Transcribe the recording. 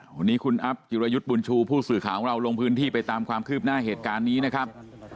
วันนี้คุณอัพจิรยุทธ์บุญชูผู้สื่อข่าวของเราลงพื้นที่ไปตามความคืบหน้าเหตุการณ์นี้นะครับ